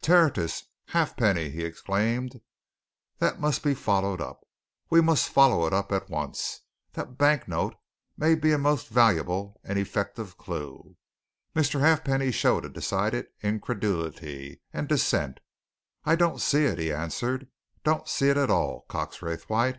"Tertius! Halfpenny!" he exclaimed. "That must be followed up we must follow it up at once. That bank note may be a most valuable and effective clue." Mr. Halfpenny showed a decided incredulity and dissent. "I don't see it," he answered. "Don't see it at all, Cox Raythwaite.